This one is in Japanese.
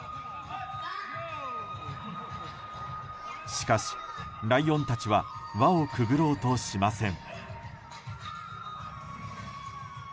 しかし、ライオンたちは輪をくぐろうとしません。